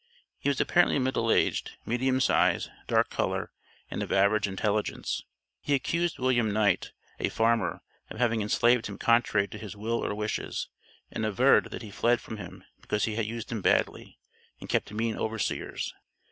He was apparently middle aged, medium size, dark color, and of average intelligence. He accused William Knight, a farmer, of having enslaved him contrary to his will or wishes, and averred that he fled from him because he used him badly and kept mean overseers.